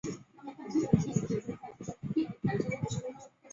坐落于海丰县城北郊五坡岭。